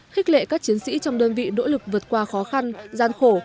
khích lệ các chiến sĩ trong đơn vị nỗ lực vượt qua khó khăn gian khổ